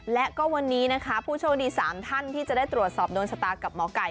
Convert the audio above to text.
และก็วันนี้นะคะผู้โชคดี๓ท่านที่จะได้ตรวจสอบโดนชะตากับหมอไก่